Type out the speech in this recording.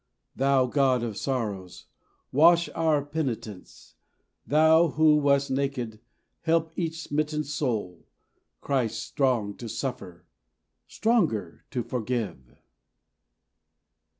Thou God of sorrows, wash our penitence, Thou who wast naked, help each smitten soul, Christ strong to suffer, stronger to forgive.